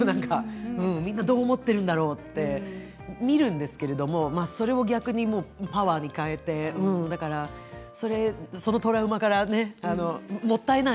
どう思っているんだろう？って見えるんですけれど逆にそれをパワーに変えてそのトラウマからもったいない！